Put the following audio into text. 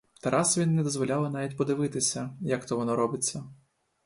Тарасові не дозволяли навіть подивитися, як то воно робиться.